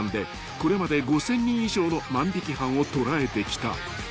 これまで５，０００人以上の万引犯を捕らえてきた］